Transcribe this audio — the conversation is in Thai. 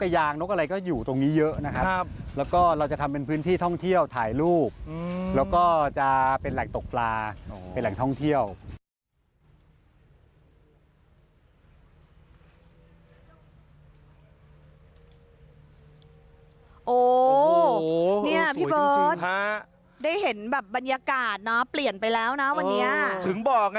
อย่างทุกวันนี้ก็ยังมีคนมาตกปลา